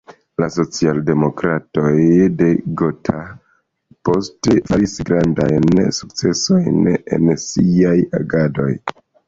La socialdemokratoj de Gotha poste faris grandajn sukcesojn en siaj agadoj.